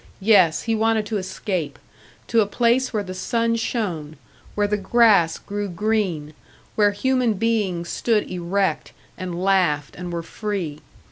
Yes, he wanted to escape to a place where the sun shone, where the grass grew green, where human beings stood erect and laughed and were free.